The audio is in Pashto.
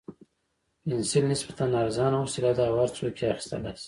پنسل نسبتاً ارزانه وسیله ده او هر څوک یې اخیستلای شي.